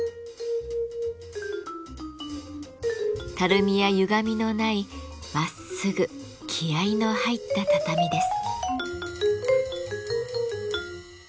たるみやゆがみのないまっすぐ気合いの入った畳です。